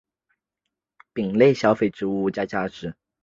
丙类消费物价指数是香港四项消费物价指数数列之一。